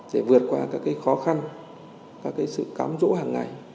để vượt qua các cái khó khăn các cái sự cám dỗ hàng ngày